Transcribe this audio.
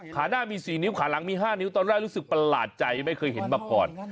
ขาหน้ามี๔นิ้วขาหลังมี๕นิ้วตอนแรกรู้สึกประหลาดใจไม่เคยเห็นมาก่อน